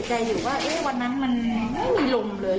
ก็ก็ยังเอกใจอยู่ว่าเอ๊ะวันนั้นมันไม่มีลมเลย